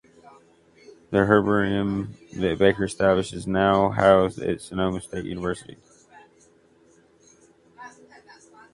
The herbarium that Baker established is now housed at Sonoma State University.